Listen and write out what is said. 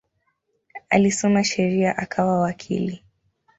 Alisoma sheria akawa wakili.